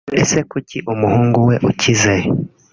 Ese kuki umuhungu we ukize